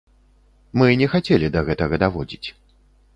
Мы не хацелі да гэтага даводзіць.